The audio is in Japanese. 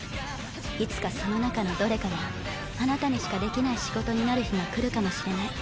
いつかその中のどれかがあなたにしかできない仕事になる日が来るかもしれない。